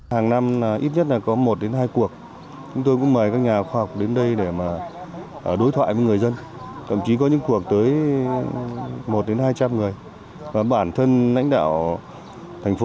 hàng năm ít nhất là có một đến hai cuộc chúng tôi cũng mời các nhà khoa học đến đây để mà đối thoại với người dân